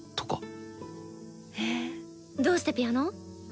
へえどうしてピアノ？